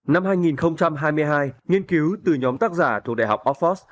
năm hai nghìn hai mươi hai nghiên cứu từ nhóm tác giả thuộc đại học oxford